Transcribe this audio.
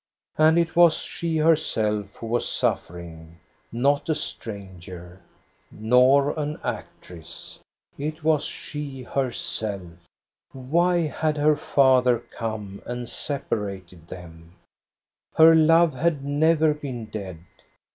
And it was she herself who was suffering, not a stranger, nor an actress. It was she herself. Why had her father come and separated them? Her love had never been dead.